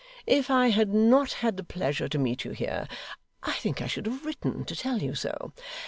If I had not had the pleasure to meet you here, I think I should have written to tell you so.